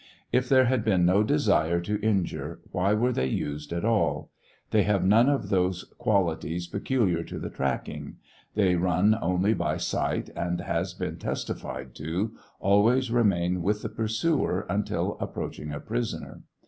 If there had been no desire to injure, why were they used at all 1 They have none of those qualities peculiar to the tracking; they run only by sight, and, as has been testi fied to, always remained with x\u; pursuer until approaching a prisoner.